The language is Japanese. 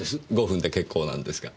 ５分で結構なんですが。